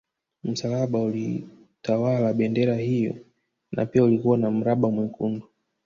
Msalaba ulitawala bendera hiyo na pia ulikuwa na mraba mwekundu